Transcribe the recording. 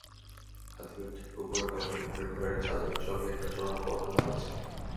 হাতিমের ঠিক ওপরে কাবা শরিফের ঘরের ছাদের সঙ্গে একটা সোনার পরনালা আছে।